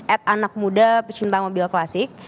at anak muda pecinta mobil klasik